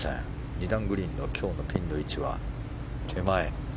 ２段グリーンの今日のピンの位置は手前。